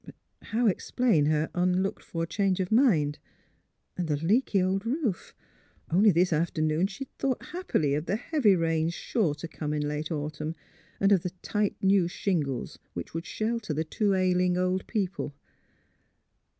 But how explain her nnlooked for change of mind? And the leaky old roof — Only this afternoon she had thought happily of the heavy rains sure to come in late autumn, and of the tight new shingles which would shelter the two ailing old people.